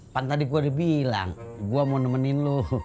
pant tadi gue udah bilang gue mau nemenin lu